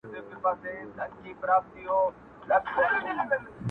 لاري لاري دي ختليقاسم یاره تر اسمانه-